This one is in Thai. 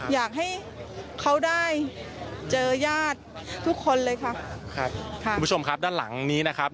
อยากให้เขาได้เจอญาติทุกคนเลยค่ะครับค่ะคุณผู้ชมครับด้านหลังนี้นะครับ